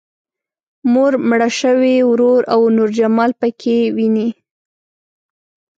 مور، مړ شوی ورور او نور جمال پکې ويني.